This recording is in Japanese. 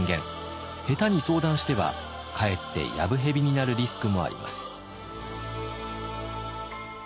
下手に相談してはかえってやぶへびになるリスクもあります。